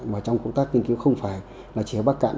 mà trong công tác nghiên cứu không phải là chỉ ở bắc cạn